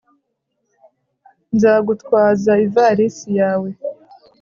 nzagutwaza ivalisi yawe